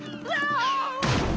ああ。